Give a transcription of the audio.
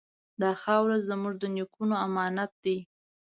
دا خاوره زموږ د نیکونو امانت دی.